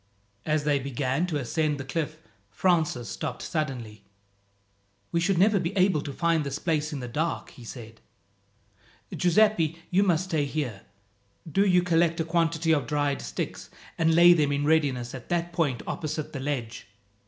As they began to ascend the cliff, Francis stopped suddenly. "We should never be able to find this place in the dark," he said. "Giuseppi, you must stay here. Do you collect a quantity of dried sticks, and lay them in readiness at that point opposite the ledge.